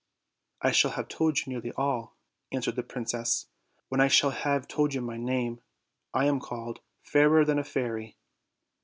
"I shall have told you nearly all," answered the prin cess, "when I shall have told you my name. I am called 'Fairer than a Fairy.'